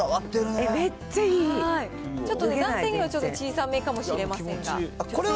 ちょっと男性には小さめかもしれませんが。